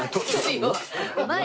うまい！